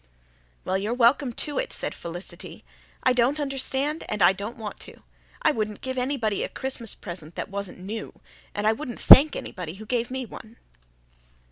"Well, you're welcome to it," said Felicity. "I don't understand and I don't want to. I wouldn't give anybody a Christmas present that wasn't new, and I wouldn't thank anybody who gave me one."